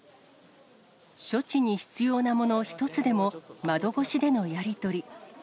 処置の必要なもの１つでも窓越しでのやり取り。